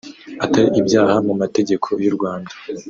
Atari ibyaha mu mategeko y’ U Rwanda